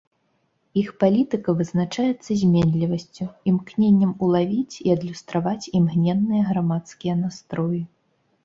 Іх палітыка вызначаецца зменлівасцю, імкненнем улавіць і адлюстраваць імгненныя грамадскія настроі.